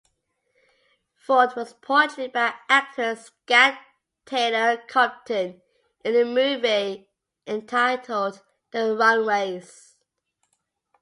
Ford was portrayed by actress Scout Taylor-Compton in the movie, entitled "The Runaways".